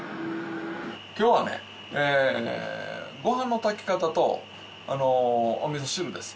今日はねえご飯の炊き方とお味噌汁です